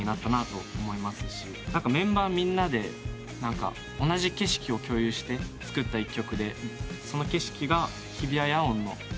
メンバーみんなで同じ景色を共有して作った一曲でその景色が日比谷野音の夕方。